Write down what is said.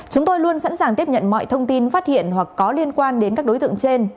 chúng tôi luôn sẵn sàng tiếp nhận mọi thông tin phát hiện hoặc có liên quan đến các đối tượng trên